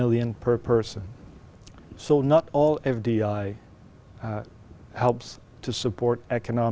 vì vậy không tất cả các cộng đồng năng lực sức khỏe đã giúp đỡ vấn đề này